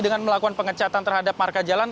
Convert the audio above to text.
dengan melakukan pengecatan terhadap marka jalan